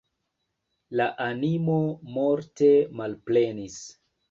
La animo morte malplenis.